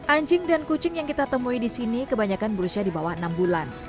anjing dan kucing yang kita temui di sini kebanyakan berusia di bawah enam bulan